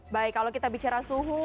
baik kalau kita bicara suhu